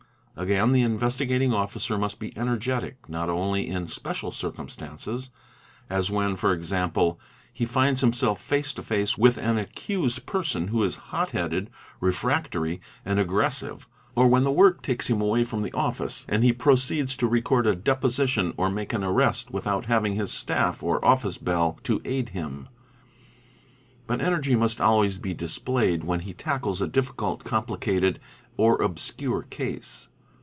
Again the Investigating Officer must be energetic not only in special circumstances, as when, for — example, he finds himself face to face with an accused person who is hot headed, refractory, and aggressive, or when the work takes him away BSSENTIAL QUALITTES 21 from office and he proceeds to record a deposition or make an arrest without having his staff or office bell to aid him; but energy must always be displayed when he tackles a difficult, complicated, or. obscure case.